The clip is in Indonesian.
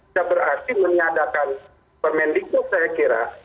itu berarti menyadarkan permendikus saya kira